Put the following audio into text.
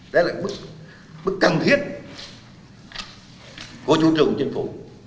đấy là bức cần thiết của chủ trường chính phủ